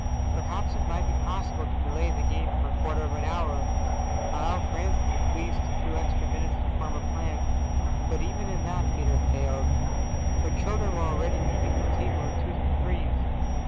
Perhaps it might be possible to delay the game for a quarter of an hour, allow Francis at least a few extra minutes to form a plan, but even in that Peter failed, for children were already leaving the table in twos and threes.